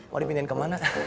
mau dipindah kemana